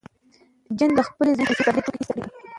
جین د خپلې ځوانۍ کیسې په درې ټوکه کې ثبت کړې.